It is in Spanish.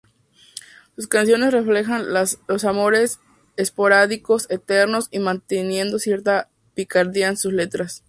Sus canciones reflejan los amores esporádicos, eternos y manteniendo cierta picardía en sus letras.